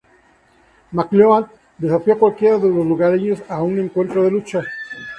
McLeod desafió a cualquiera de los lugareños a un encuentro de lucha.